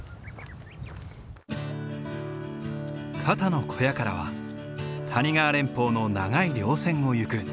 肩の小屋からは谷川連峰の長い稜線を行く。